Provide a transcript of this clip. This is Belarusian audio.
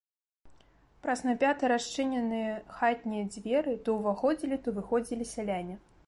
Праз напята расчыненыя хатнія дзверы то ўваходзілі, то выходзілі сяляне.